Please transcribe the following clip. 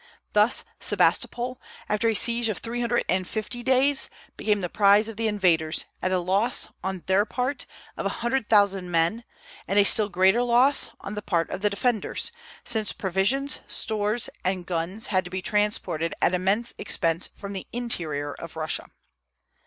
Thus Sebastopol, after a siege of three hundred and fifty days, became the prize of the invaders, at a loss, on their part, of a hundred thousand men, and a still greater loss on the part of the defenders, since provisions, stores, and guns had to be transported at immense expense from the interior of Russia.